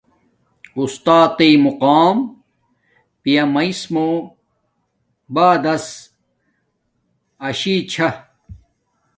اُستاتݵ مقام پیا مݵس موہ بعدس اسݵ چھا